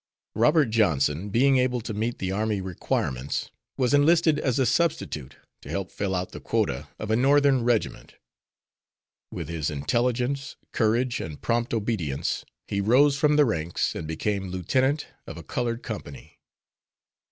Robert Johnson, being able to meet the army requirements, was enlisted as a substitute to help fill out the quota of a Northern regiment. With his intelligence, courage, and prompt obedience, he rose from the ranks and became lieutenant of a colored company.